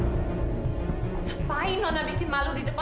kenapa saya bisa masuk tv pak